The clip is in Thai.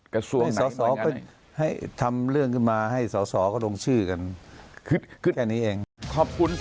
กระทรวงไหน